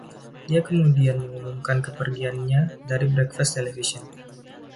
Dia kemudian mengumumkan kepergiannya dari "Breakfast Television".